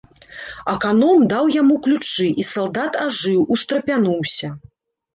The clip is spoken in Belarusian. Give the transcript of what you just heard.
Аканом даў яму ключы, і салдат ажыў, устрапянуўся.